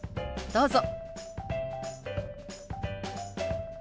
どうぞ。